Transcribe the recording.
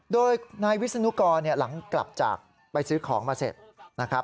โดยนายวิศนุกรหลังกลับจากไปซื้อของมาเสร็จนะครับ